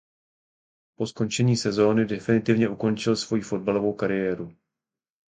Po skončení sezony definitivně ukončil svoji fotbalovou kariéru.